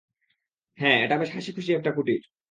হ্যাঁ, এটা বেশ হাসিখুশি একটা কুটির।